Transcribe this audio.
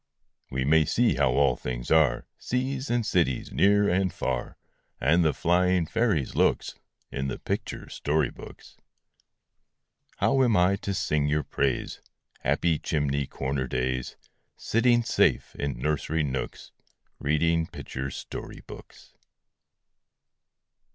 We may see how all things are, Seas and cities, near and far, And the flying fairies' looks, In the picture story books. How am I to sing your praise, Happy chimney corner days, Sitting safe in nursery nooks, Reading picture story books?